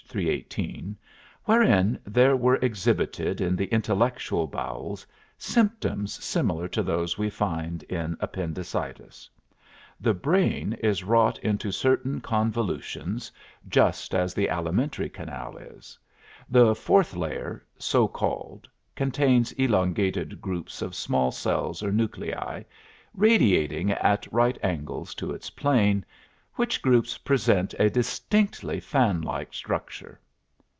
318) wherein there were exhibited in the intellectual bowels symptoms similar to those we find in appendicitis. The brain is wrought into certain convolutions, just as the alimentary canal is; the fourth layer, so called, contains elongated groups of small cells or nuclei, radiating at right angles to its plane, which groups present a distinctly fanlike structure.